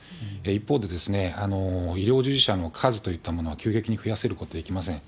一方で、医療従事者の数というものは急激に増やせることできません。